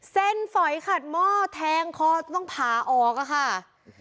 เส้นฝอยขัดหม้อแทงคอต้องพาออกอะค่ะ